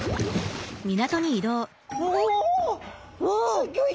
すっギョい